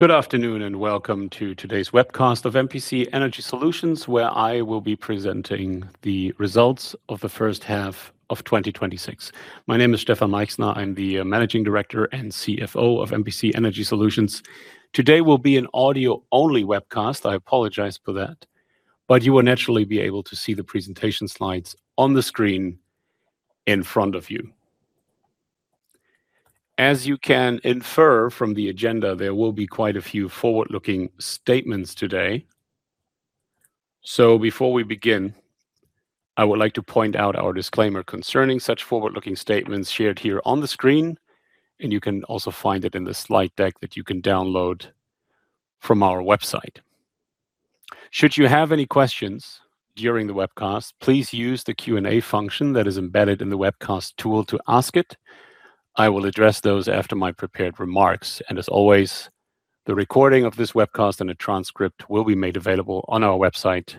Good afternoon, welcome to today's webcast of MPC Energy Solutions, where I will be presenting the results of the first half of 2026. My name is Stefan Meichsner. I'm the Managing Director and CFO of MPC Energy Solutions. Today will be an audio-only webcast. I apologize for that, you will naturally be able to see the presentation slides on the screen in front of you. As you can infer from the agenda, there will be quite a few forward-looking statements today. Before we begin, I would like to point out our disclaimer concerning such forward-looking statements shared here on the screen, you can also find it in the slide deck that you can download from our website. Should you have any questions during the webcast, please use the Q&A function that is embedded in the webcast tool to ask it. I will address those after my prepared remarks. As always, the recording of this webcast and a transcript will be made available on our website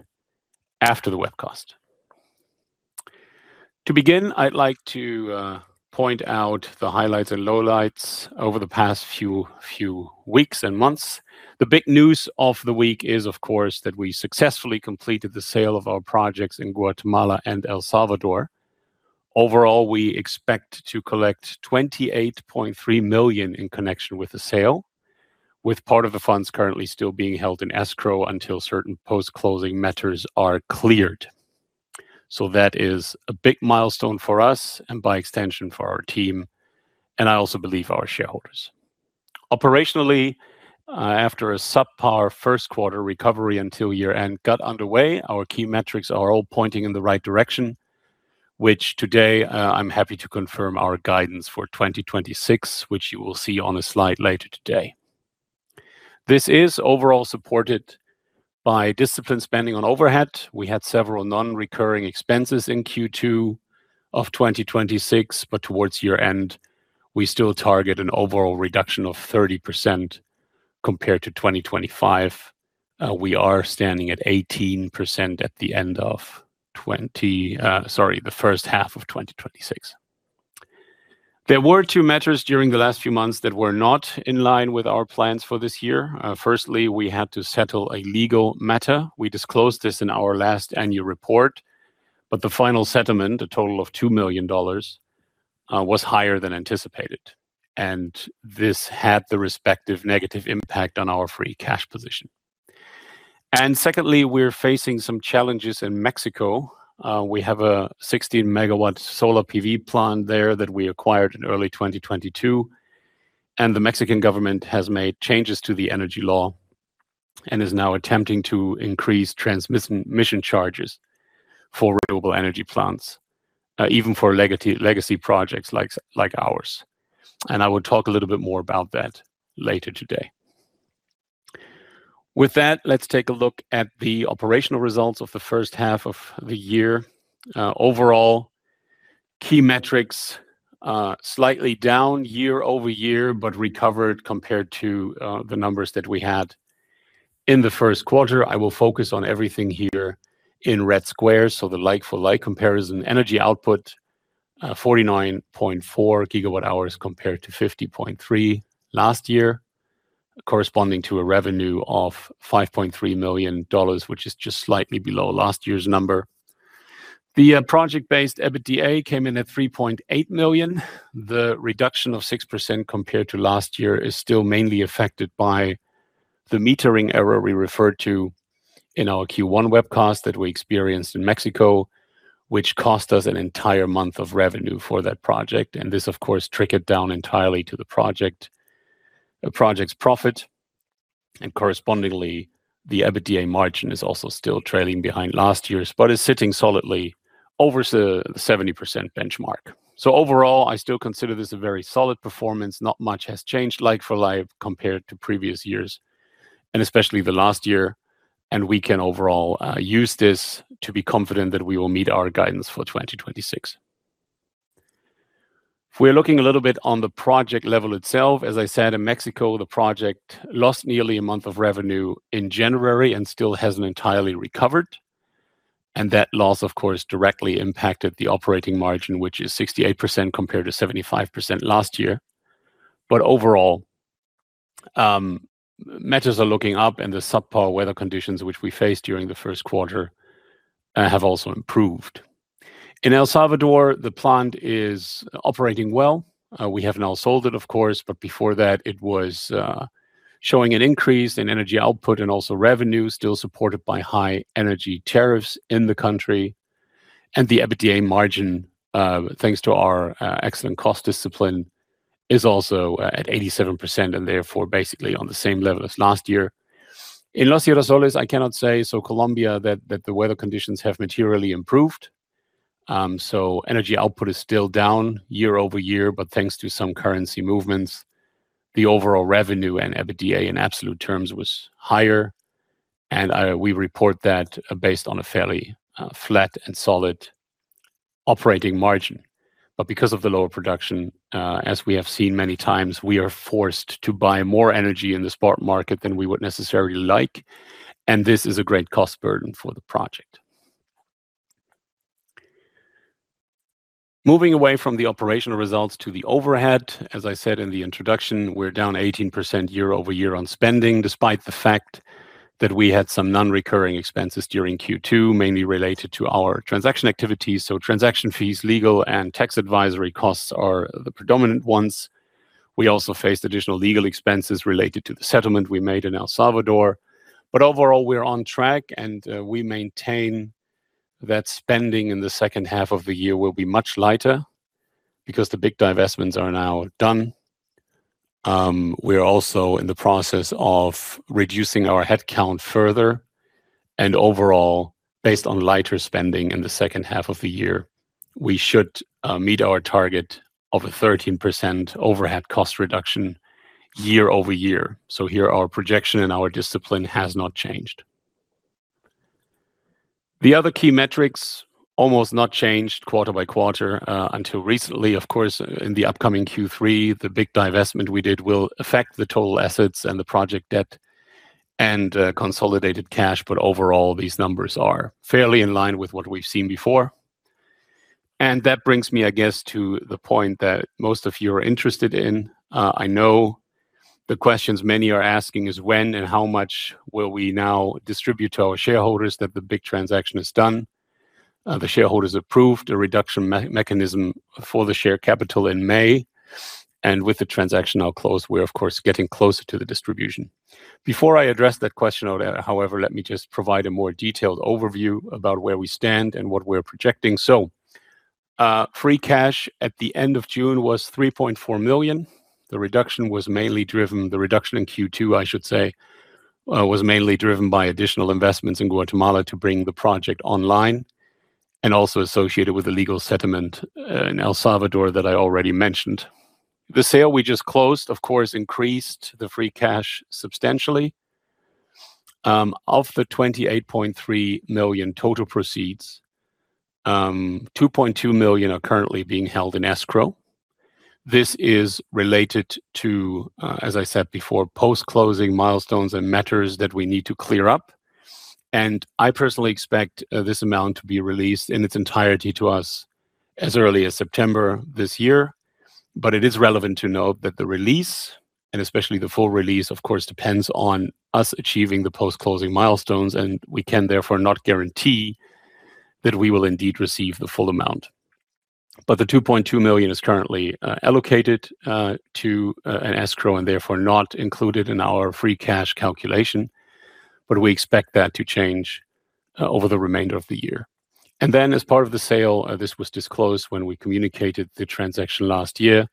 after the webcast. To begin, I'd like to point out the highlights and lowlights over the past few weeks and months. The big news of the week is, of course, that we successfully completed the sale of our projects in Guatemala and El Salvador. Overall, we expect to collect $28.3 million in connection with the sale, with part of the funds currently still being held in escrow until certain post-closing matters are cleared. That is a big milestone for us and by extension for our team, and I also believe our shareholders. Operationally, after a subpar first quarter, recovery until year-end got underway. Our key metrics are all pointing in the right direction, which today I'm happy to confirm our guidance for 2026, which you will see on a slide later today. This is overall supported by disciplined spending on overhead. We had several non-recurring expenses in Q2 of 2026, towards year-end, we still target an overall reduction of 30% compared to 2025. We are standing at 18% at the first half of 2026. There were two matters during the last few months that were not in line with our plans for this year. Firstly, we had to settle a legal matter. We disclosed this in our last annual report, the final settlement, a total of $2 million, was higher than anticipated, and this had the respective negative impact on our free cash position. Secondly, we're facing some challenges in Mexico. We have a 16 MW solar PV plant there that we acquired in early 2022. The Mexican government has made changes to the energy law and is now attempting to increase transmission charges for renewable energy plants, even for legacy projects like ours. I will talk a little bit more about that later today. With that, let's take a look at the operational results of the first half of the year. Overall, key metrics are slightly down year-over-year, recovered compared to the numbers that we had in the first quarter. I will focus on everything here in red squares, the like-for-like comparison. Energy output 49.4 GWh compared to 50.3 last year, corresponding to a revenue of $5.3 million, which is just slightly below last year's number. The project-based EBITDA came in at $3.8 million. The reduction of 6% compared to last year is still mainly affected by the metering error we referred to in our Q1 webcast that we experienced in Mexico, which cost us an entire month of revenue for that project. This, of course, trickled down entirely to the project's profit, and correspondingly, the EBITDA margin is also still trailing behind last year's, but is sitting solidly over the 70% benchmark. Overall, I still consider this a very solid performance. Not much has changed like for like compared to previous years, and especially the last year, and we can overall use this to be confident that we will meet our guidance for 2026. If we're looking a little bit on the project level itself, as I said, in Mexico, the project lost nearly a month of revenue in January and still hasn't entirely recovered. That loss, of course, directly impacted the operating margin, which is 68% compared to 75% last year. Overall, matters are looking up and the subpar weather conditions which we faced during the first quarter have also improved. In El Salvador, the plant is operating well. We have now sold it, of course, but before that, it was showing an increase in energy output and also revenue, still supported by high energy tariffs in the country. The EBITDA margin, thanks to our excellent cost discipline, is also at 87% and therefore basically on the same level as last year. In Los Girasoles, I cannot say, so Colombia, that the weather conditions have materially improved. Energy output is still down year-over-year, but thanks to some currency movements, the overall revenue and EBITDA in absolute terms was higher. We report that based on a fairly flat and solid operating margin. Because of the lower production, as we have seen many times, we are forced to buy more energy in the spot market than we would necessarily like, and this is a great cost burden for the project. Moving away from the operational results to the overhead. As I said in the introduction, we're down 18% year-over-year on spending, despite the fact that we had some non-recurring expenses during Q2, mainly related to our transaction activities. Transaction fees, legal, and tax advisory costs are the predominant ones. We also faced additional legal expenses related to the settlement we made in El Salvador. Overall, we are on track, and we maintain that spending in the second half of the year will be much lighter because the big divestments are now done. We are also in the process of reducing our headcount further and overall, based on lighter spending in the second half of the year, we should meet our target of a 13% overhead cost reduction year-over-year. Here, our projection and our discipline has not changed. The other key metrics almost not changed quarter-by-quarter, until recently. Of course, in the upcoming Q3, the big divestment we did will affect the total assets and the project debt and consolidated cash. Overall, these numbers are fairly in line with what we've seen before. That brings me, I guess, to the point that most of you are interested in. I know the questions many are asking is when and how much will we now distribute to our shareholders that the big transaction is done? The shareholders approved a reduction mechanism for the share capital in May, with the transaction now closed, we're of course getting closer to the distribution. Before I address that question, however, let me just provide a more detailed overview about where we stand and what we're projecting. Free cash at the end of June was $3.4 million. The reduction in Q2 was mainly driven by additional investments in Guatemala to bring the project online and also associated with the legal settlement in El Salvador that I already mentioned. The sale we just closed, of course, increased the free cash substantially. Of the $28.3 million total proceeds, $2.2 million are currently being held in escrow. This is related to, as I said before, post-closing milestones and matters that we need to clear up. I personally expect this amount to be released in its entirety to us as early as September this year. It is relevant to note that the release, and especially the full release, of course, depends on us achieving the post-closing milestones, and we can therefore not guarantee that we will indeed receive the full amount. The $2.2 million is currently allocated to an escrow and therefore not included in our free cash calculation, but we expect that to change over the remainder of the year. As part of the sale, this was disclosed when we communicated the transaction last year.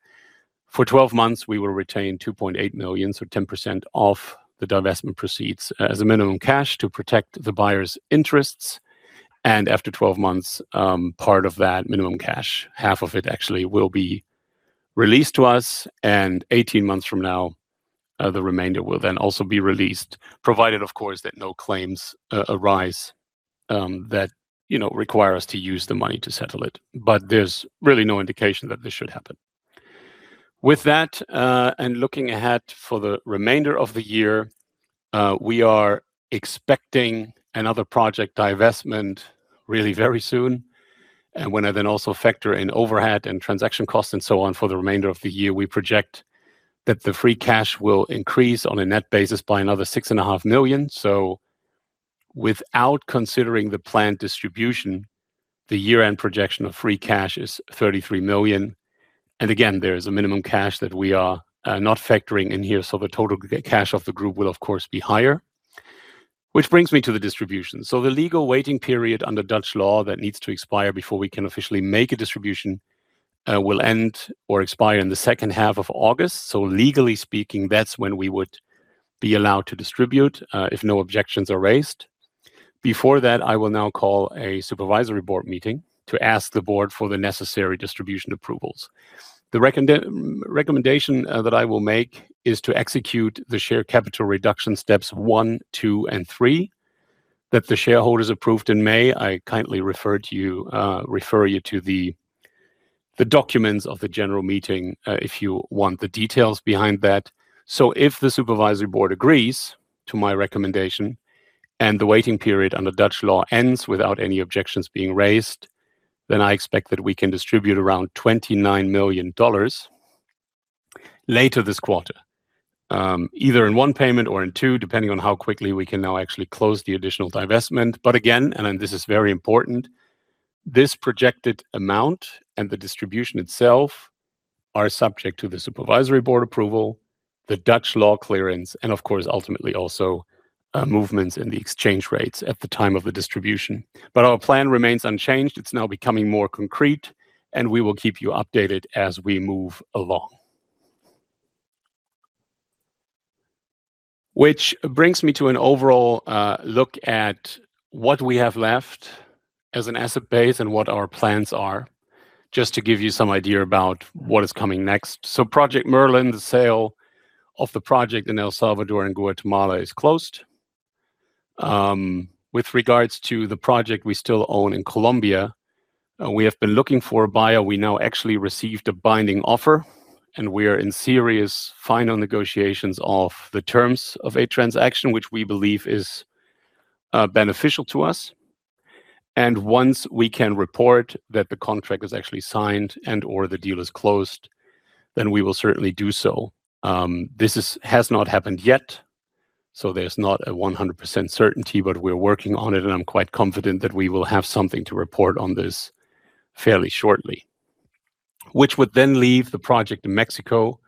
For 12 months, we will retain $2.8 million, so 10% of the divestment proceeds as a minimum cash to protect the buyer's interests. After 12 months, part of that minimum cash, half of it actually, will be released to us, and 18 months from now, the remainder will then also be released, provided, of course, that no claims arise that require us to use the money to settle it. There's really no indication that this should happen. With that, looking ahead for the remainder of the year, we are expecting another project divestment really very soon. When I then also factor in overhead and transaction costs and so on for the remainder of the year, we project that the free cash will increase on a net basis by another $6.5 million. Without considering the planned distribution, the year-end projection of free cash is $33 million. Again, there is a minimum cash that we are not factoring in here, the total cash of the group will of course be higher. Which brings me to the distribution. The legal waiting period under Dutch law that needs to expire before we can officially make a distribution will end or expire in the second half of August. Legally speaking, that's when we would be allowed to distribute, if no objections are raised. Before that, I will now call a Supervisory Board meeting to ask the board for the necessary distribution approvals. The recommendation that I will make is to execute the share capital reduction steps one, two, and three that the shareholders approved in May. I kindly refer you to the documents of the general meeting if you want the details behind that. If the Supervisory Board agrees to my recommendation and the waiting period under Dutch law ends without any objections being raised, then I expect that we can distribute around $29 million later this quarter, either in one payment or in two, depending on how quickly we can now actually close the additional divestment. Again, and this is very important, this projected amount and the distribution itself are subject to the Supervisory Board approval, the Dutch law clearance, and of course, ultimately also movements in the exchange rates at the time of the distribution. Our plan remains unchanged. It's now becoming more concrete, and we will keep you updated as we move along. This brings me to an overall look at what we have left as an asset base and what our plans are, just to give you some idea about what is coming next. Project Merlin, the sale of the project in El Salvador and Guatemala is closed. With regards to the project we still own in Colombia, we have been looking for a buyer. We now actually received a binding offer, and we are in serious final negotiations of the terms of a transaction which we believe is beneficial to us. Once we can report that the contract is actually signed and/or the deal is closed, then we will certainly do so. This has not happened yet, so there's not a 100% certainty, but we're working on it, and I'm quite confident that we will have something to report on this fairly shortly. This would then leave the project in Mexico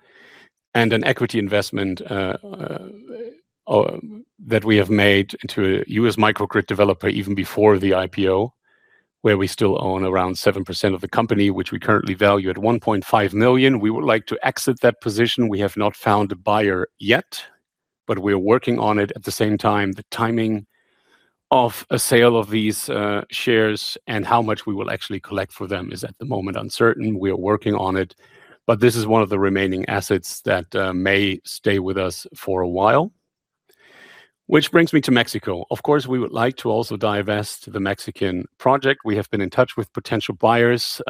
and an equity investment that we have made into a U.S. microgrid developer even before the IPO, where we still own around 7% of the company, which we currently value at $1.5 million. We would like to exit that position. We have not found a buyer yet, but we are working on it at the same time. The timing of a sale of these shares and how much we will actually collect for them is at the moment uncertain. We are working on it. This is one of the remaining assets that may stay with us for a while. This brings me to Mexico. Of course, we would like to also divest the Mexican project. We have been in touch with potential buyers,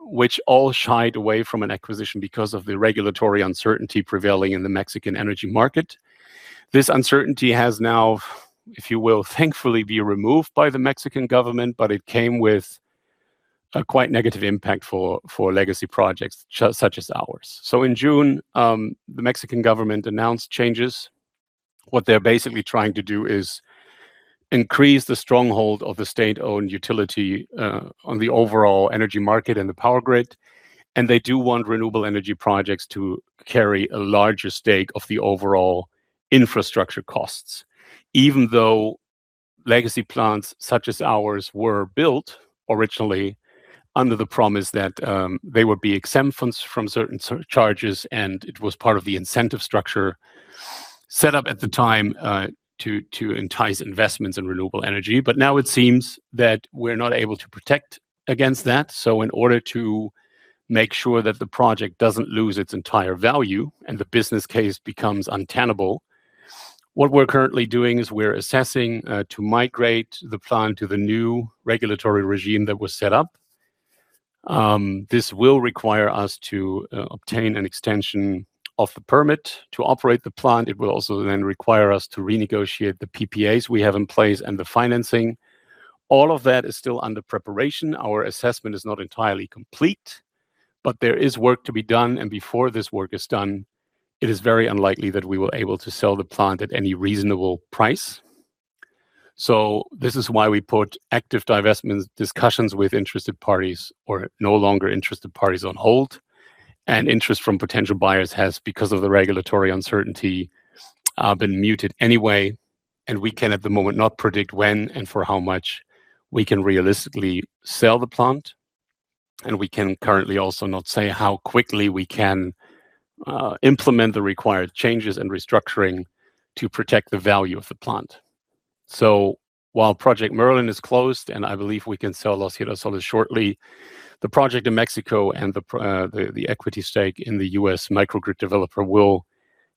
which all shied away from an acquisition because of the regulatory uncertainty prevailing in the Mexican energy market. This uncertainty has now, if you will, thankfully, be removed by the Mexican government, but it came with a quite negative impact for legacy projects such as ours. In June, the Mexican government announced changes. What they're basically trying to do is increase the stronghold of the state-owned utility on the overall energy market and the power grid, and they do want renewable energy projects to carry a larger stake of the overall infrastructure costs. Even though legacy plants, such as ours, were built originally under the promise that they would be exempt from certain charges, and it was part of the incentive structure set up at the time to entice investments in renewable energy. Now it seems that we're not able to protect against that. In order to make sure that the project doesn't lose its entire value and the business case becomes untenable, what we're currently doing is we're assessing to migrate the plant to the new regulatory regime that was set up. This will require us to obtain an extension of the permit to operate the plant. It will also require us to renegotiate the PPAs we have in place and the financing. All of that is still under preparation. Our assessment is not entirely complete, but there is work to be done, and before this work is done, it is very unlikely that we will able to sell the plant at any reasonable price. This is why we put active divestment discussions with interested parties or no longer interested parties on hold, and interest from potential buyers has, because of the regulatory uncertainty, been muted anyway. We can at the moment not predict when and for how much we can realistically sell the plant, and we can currently also not say how quickly we can implement the required changes and restructuring to protect the value of the plant. While Project Merlin is closed, and I believe we can sell Los Girasoles shortly, the project in Mexico and the equity stake in the U.S. microgrid developer will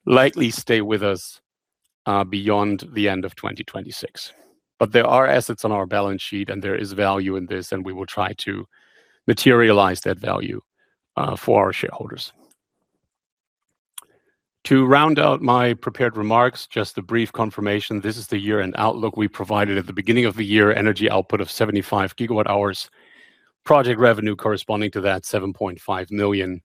likely stay with us beyond the end of 2026. There are assets on our balance sheet and there is value in this, and we will try to materialize that value for our shareholders. To round out my prepared remarks, just a brief confirmation. This is the year-end outlook we provided at the beginning of the year. Energy output of 75 GWh. Project revenue corresponding to that $7.5 million,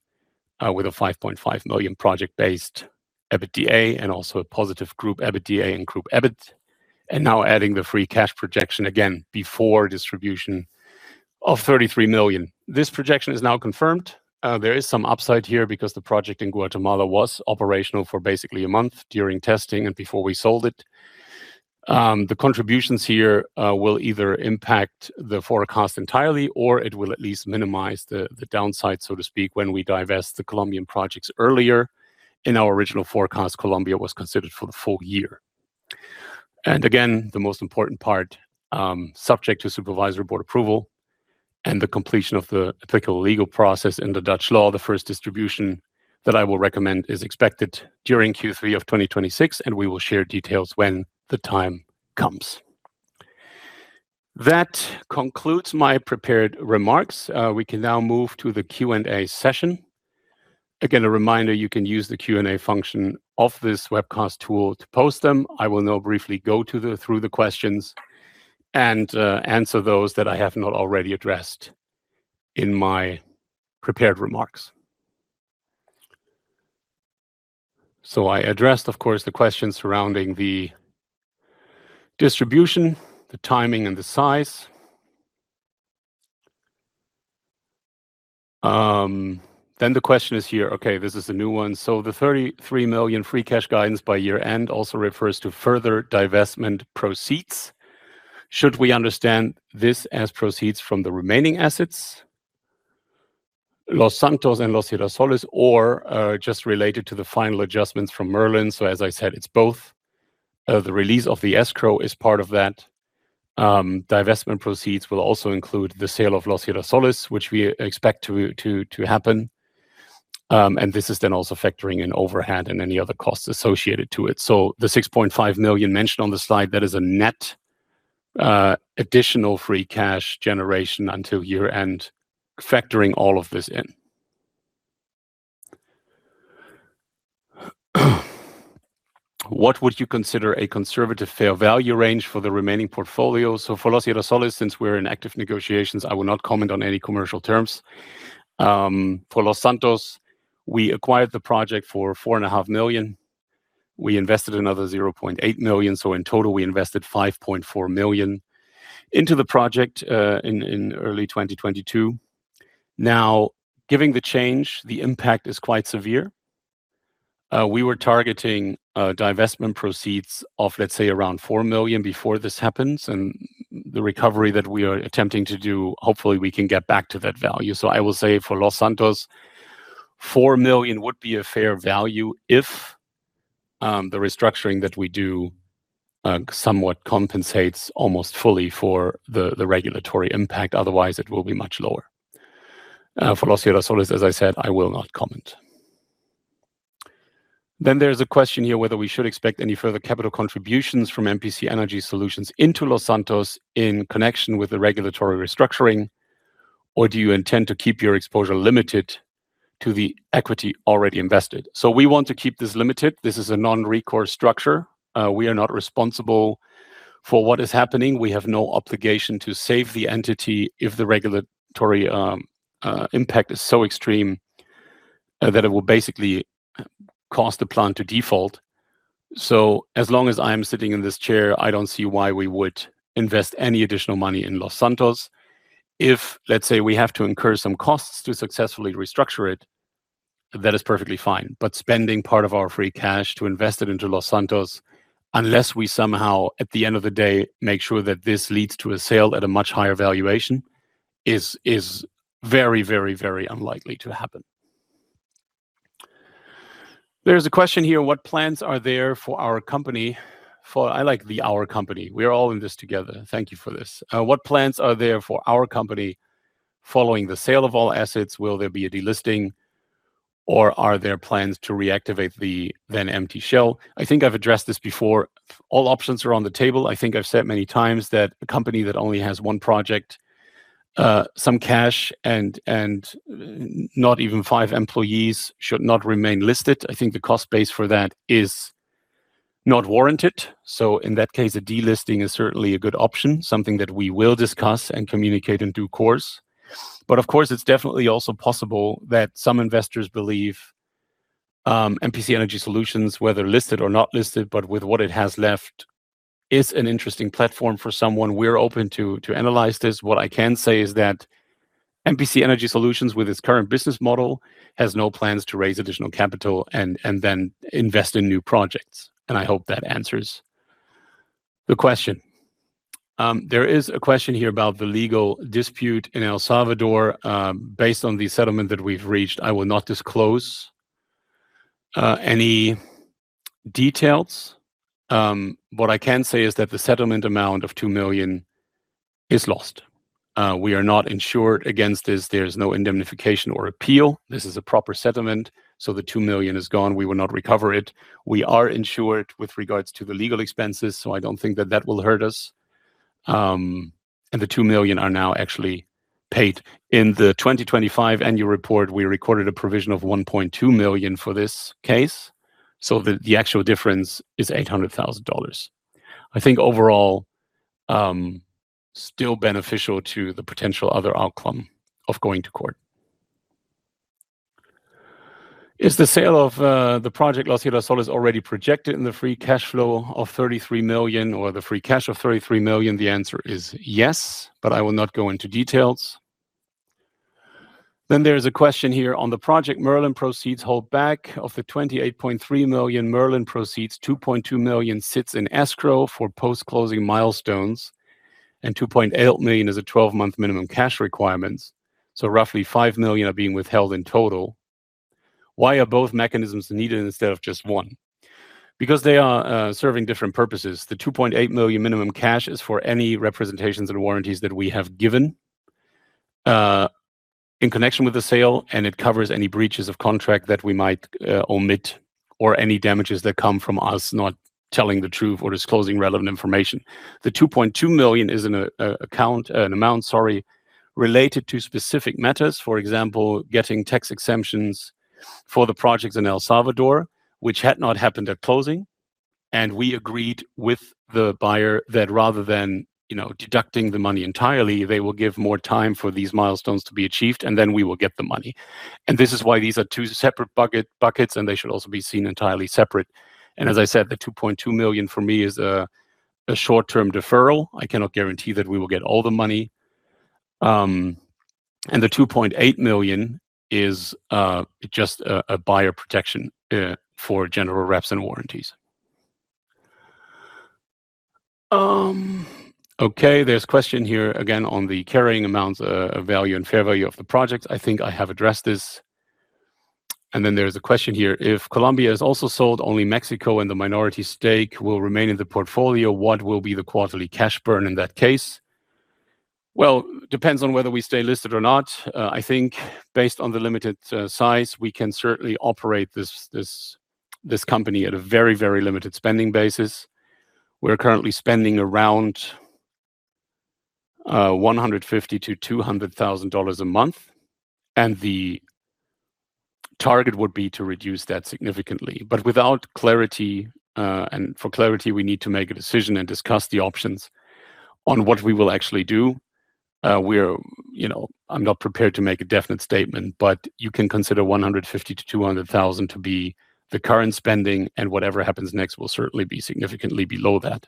with a $5.5 million project-based EBITDA, and also a positive group EBITDA and group EBIT. Now adding the free cash projection again before distribution of $33 million. This projection is now confirmed. There is some upside here because the project in Guatemala was operational for basically a month during testing and before we sold it. The contributions here will either impact the forecast entirely or it will at least minimize the downside, so to speak, when we divest the Colombian projects. Earlier in our original forecast, Colombia was considered for the full year. Again, the most important part, subject to Supervisory Board approval and the completion of the ethical legal process in the Dutch law, the first distribution that I will recommend is expected during Q3 of 2026, and we will share details when the time comes. That concludes my prepared remarks. We can now move to the Q&A session. Again, a reminder, you can use the Q&A function of this webcast tool to post them. I will now briefly go through the questions and answer those that I have not already addressed in my prepared remarks. I addressed, of course, the questions surrounding the distribution, the timing and the size. The question is here. Okay, this is a new one. The $33 million free cash guidance by year-end also refers to further divestment proceeds. Should we understand this as proceeds from the remaining assets, Los Santos and Los Girasoles, or just related to the final adjustments from Project Merlin? As I said, it's both. The release of the escrow is part of that. Divestment proceeds will also include the sale of Los Girasoles, which we expect to happen. This is then also factoring in overhead and any other costs associated to it. The $6.5 million mentioned on the slide, that is a net additional free cash generation until year-end factoring all of this in. What would you consider a conservative fair value range for the remaining portfolio? For Los Girasoles, since we're in active negotiations, I will not comment on any commercial terms. For Los Santos, we acquired the project for $4.5 million. We invested another $0.8 million. In total, we invested $5.4 million into the project in early 2022. Given the change, the impact is quite severe. We were targeting divestment proceeds of, let's say, around $4 million before this happens, and the recovery that we are attempting to do, hopefully, we can get back to that value. I will say for Los Santos, $4 million would be a fair value if the restructuring that we do somewhat compensates almost fully for the regulatory impact, otherwise it will be much lower. For Los Girasoles, as I said, I will not comment. There's a question here, whether we should expect any further capital contributions from MPC Energy Solutions into Los Santos in connection with the regulatory restructuring, or do you intend to keep your exposure limited to the equity already invested? We want to keep this limited. This is a non-recourse structure. We are not responsible for what is happening. We have no obligation to save the entity if the regulatory impact is so extreme that it will basically cause the plant to default. As long as I am sitting in this chair, I don't see why we would invest any additional money in Los Santos. If, let's say, we have to incur some costs to successfully restructure it, that is perfectly fine. Spending part of our free cash to invest it into Los Santos, unless we somehow, at the end of the day, make sure that this leads to a sale at a much higher valuation, is very unlikely to happen. There's a question here, what plans are there for our company? I like the our company. We are all in this together. Thank you for this. What plans are there for our company following the sale of all assets? Will there be a delisting, or are there plans to reactivate the then empty shell? I think I've addressed this before. All options are on the table. I think I've said many times that a company that only has one project, some cash, and not even five employees should not remain listed. I think the cost base for that is not warranted. In that case, a delisting is certainly a good option, something that we will discuss and communicate in due course. Of course, it's definitely also possible that some investors believe MPC Energy Solutions, whether listed or not listed, but with what it has left, is an interesting platform for someone. We're open to analyze this. What I can say is that MPC Energy Solutions, with its current business model, has no plans to raise additional capital and then invest in new projects. I hope that answers the question. There is a question here about the legal dispute in El Salvador. Based on the settlement that we've reached, I will not disclose any details. What I can say is that the settlement amount of $2 million is lost. We are not insured against this. There's no indemnification or appeal. This is a proper settlement, so the $2 million is gone. We will not recover it. We are insured with regards to the legal expenses, so I don't think that that will hurt us. The $2 million are now actually paid. In the 2025 annual report, we recorded a provision of $1.2 million for this case, so the actual difference is $800,000. I think overall, still beneficial to the potential other outcome of going to court. Is the sale of the project Los Girasoles already projected in the free cash flow of $33 million or the free cash of $33 million? The answer is yes, I will not go into details. There's a question here on the Project Merlin proceeds holdback. Of the $28.3 million Project Merlin proceeds, $2.2 million sits in escrow for post-closing milestones, and $2.8 million is a 12-month minimum cash requirements. Roughly $5 million are being withheld in total. Why are both mechanisms needed instead of just one? They are serving different purposes. The $2.8 million minimum cash is for any representations and warranties that we have given in connection with the sale, and it covers any breaches of contract that we might omit or any damages that come from us not telling the truth or disclosing relevant information. The $2.2 million is an amount related to specific matters. For example, getting tax exemptions for the projects in El Salvador, which had not happened at closing. We agreed with the buyer that rather than deducting the money entirely, they will give more time for these milestones to be achieved, and then we will get the money. This is why these are two separate buckets, and they should also be seen entirely separate. As I said, the $2.2 million for me is a short-term deferral. I cannot guarantee that we will get all the money. The $2.8 million is just a buyer protection for general reps and warranties. Okay. There's a question here again on the carrying amounts of value and fair value of the project. I think I have addressed this. There is a question here. If Colombia is also sold, only Mexico and the minority stake will remain in the portfolio, what will be the quarterly cash burn in that case? Depends on whether we stay listed or not. I think based on the limited size, we can certainly operate this company at a very limited spending basis. We're currently spending around $150,000-$200,000 a month, and the target would be to reduce that significantly. Without clarity, and for clarity, we need to make a decision and discuss the options on what we will actually do. I'm not prepared to make a definite statement, but you can consider $150,000-$200,000 to be the current spending, and whatever happens next will certainly be significantly below that.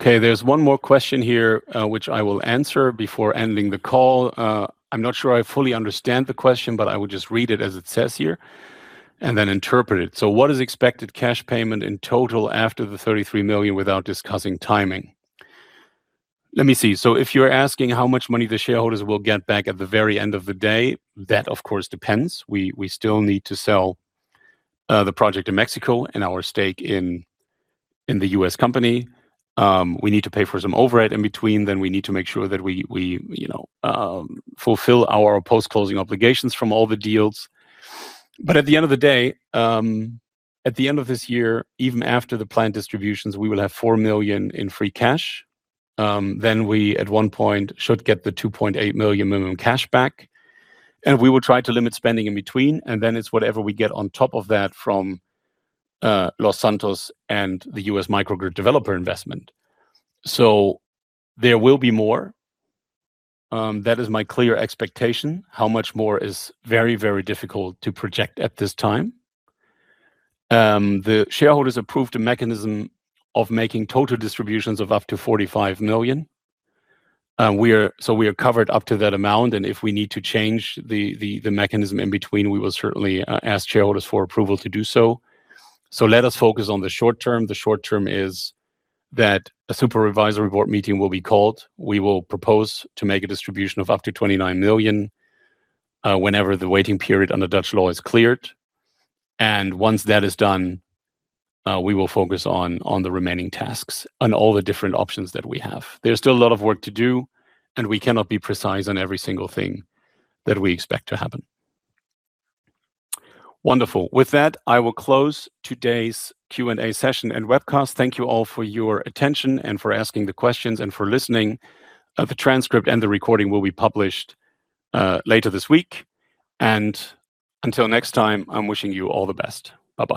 There's one more question here, which I will answer before ending the call. I'm not sure I fully understand the question, I will just read it as it says here and then interpret it. What is expected cash payment in total after the $33 million without discussing timing? Let me see. If you're asking how much money the shareholders will get back at the very end of the day, that of course depends. We still need to sell the project in Mexico and our stake in the U.S. company. We need to pay for some overhead in between, we need to make sure that we fulfill our post-closing obligations from all the deals. At the end of the day, at the end of this year, even after the planned distributions, we will have $4 million in free cash. We at one point should get the $2.8 million minimum cash back, and we will try to limit spending in between. It's whatever we get on top of that from Los Santos and the U.S. microgrid developer investment. There will be more. That is my clear expectation. How much more is very, very difficult to project at this time. The shareholders approved a mechanism of making total distributions of up to $45 million. We are covered up to that amount, and if we need to change the mechanism in between, we will certainly ask shareholders for approval to do so. Let us focus on the short term. The short term is that a supervisory board meeting will be called. We will propose to make a distribution of up to $29 million whenever the waiting period under Dutch law is cleared. Once that is done, we will focus on the remaining tasks and all the different options that we have. There's still a lot of work to do, and we cannot be precise on every single thing that we expect to happen. Wonderful. With that, I will close today's Q&A session and webcast. Thank you all for your attention and for asking the questions and for listening. The transcript and the recording will be published later this week. Until next time, I'm wishing you all the best. Bye-bye.